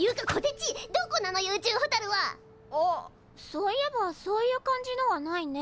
そういえばそういう感じのはないね。